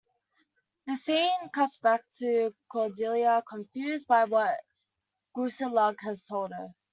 The scene cuts back to Cordelia, confused by what the Groosalugg has told her.